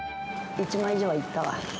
１万円以上はいったわ。